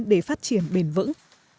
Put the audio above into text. để phát triển bền vững